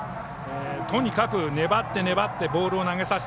とにかく粘って粘ってボールを投げさす。